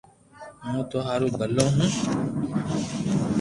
ھون ٿو ھارون ڀلو ھون